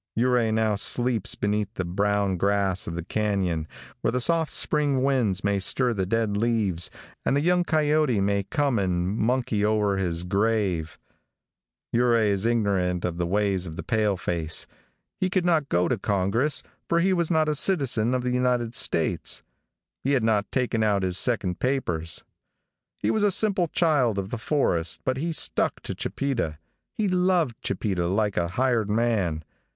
Ouray now sleeps beneath the brown grass of the canyon, where the soft spring winds may stir the dead leaves, and the young coyote may come and monkey o'er his grave. Ouray was ignorant in the ways of the pale face. He could not go to Congress, for he was not a citizen of the United States. He had not taken out his second papers. He was a simple child of the forest, but he stuck to Chipeta. He loved Chipeta like a hired man.